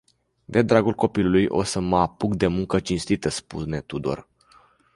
De dragul copilului o să mă apuc de muncă cinstită spune Tudor.